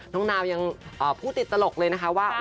นาวยังพูดติดตลกเลยนะคะว่า